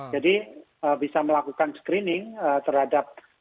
jadi bisa melakukan screening terhadap mereka